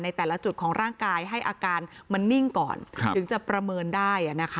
แต่ละจุดของร่างกายให้อาการมันนิ่งก่อนถึงจะประเมินได้